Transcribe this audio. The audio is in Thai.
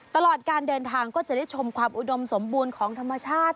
ตลอดการเดินทางก็จะได้ชมความอุดมสมบูรณ์ของธรรมชาติ